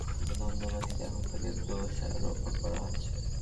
আন্দোলন থামাতে এবং ঘটনা ধামাচাপা দিতে এখন তাঁকে দোষারোপ করা হচ্ছে।